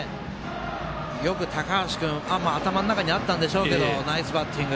よく高橋君頭の中にあったんでしょうけどナイスバッティング。